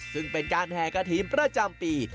ซึ่งเป็นการแห่กระถิ่นประจำปี